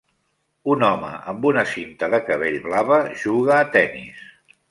Un home amb una cinta de cabell blava juga a tennis.